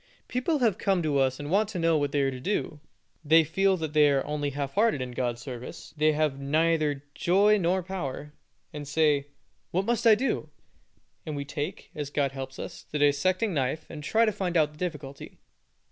People come to us and want to know what they are to do; they feel that they are only half hearted in God's service; they have neither joy nor power, and say, "What must I do?" and we take, as God helps us, the dissecting knife, and try to find out the difficulty.